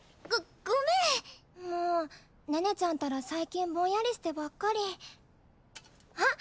ごごめんもう寧々ちゃんたら最近ぼんやりしてばっかりあっ